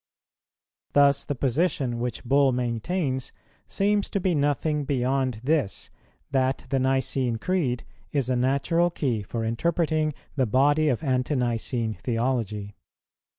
Thus the position which Bull maintains seems to be nothing beyond this, that the Nicene Creed is a natural key for interpreting the body of Ante nicene theology.